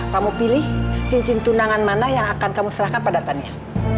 kamu pilih cincin tunangan mana yang akan kamu serahkan pada tania